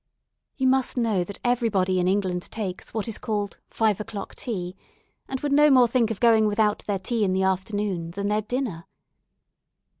You must know that everybody in England takes what is called "five o'clock tea," and would no more think of going without their tea in the afternoon than their dinner.